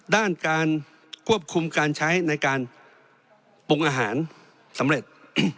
ด้านการควบคุมการใช้ในการปรุงอาหารสำเร็จ